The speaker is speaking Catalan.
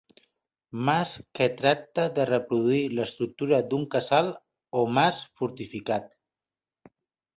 Mas que tracta de reproduir l'estructura d'un casal o mas fortificat.